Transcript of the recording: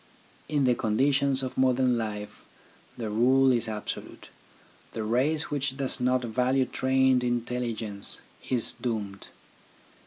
In the conditions of modern life the rule is absolute, the race which does not value trained intelligence is doomed.